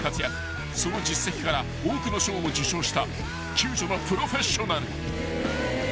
［その実績から多くの賞も受賞した救助のプロフェッショナル］